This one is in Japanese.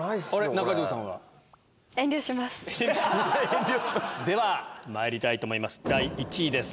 中条さんは？ではまいりたいと思います